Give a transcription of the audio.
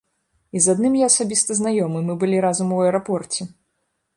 І з адным я асабіста знаёмы, мы былі разам у аэрапорце.